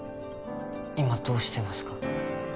今どうしてますか？